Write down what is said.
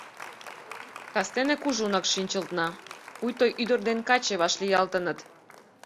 Кастене кужунак шинчылтна, пуйто ӱдыр ден каче вашлиялтыныт.